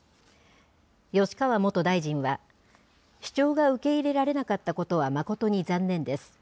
吉川元大臣は、主張が受け入れられなかったことは誠に残念です。